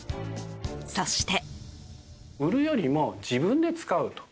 そして。